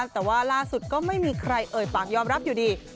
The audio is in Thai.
แต่ว่าล่าสุดก็ไม่มีใครเอ่ยปากยอมรับอยู่ดี